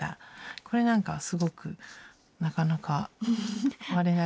これなんかはすごくなかなか我ながらいい。